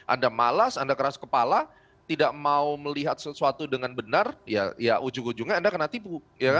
anda malas anda keras kepala tidak mau melihat sesuatu dengan benar ya ujung ujungnya anda kena tipu